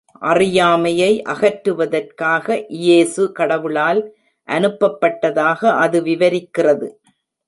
அறியாமையை அகற்றுவதற்காக இயேசு கடவுளால் அனுப்பப்பட்டதாக அது விவரிக்கிறது.